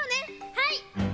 はい！